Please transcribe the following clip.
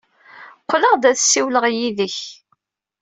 Qqleɣ-d ad ssiwleɣ yid-k.